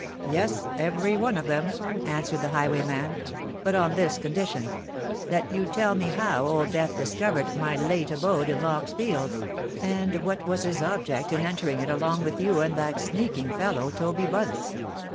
"Yes—every one of them," answered the highwayman. "But on this condition—that you tell me how Old Death discovered my late abode in Lock's Fields, and what was his object in entering it along with you and that sneaking fellow, Toby Bunce."